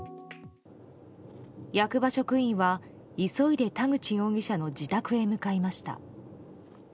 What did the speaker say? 役場職員は急いで田口容疑者の自宅へ向かいました。